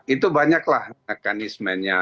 itu banyaklah mekanismenya